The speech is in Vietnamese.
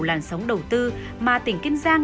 làn sóng đầu tư mà tỉnh kim giang